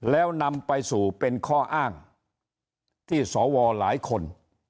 แล้วนำไปสู่เป็นข้ออ้างที่สวหลายคน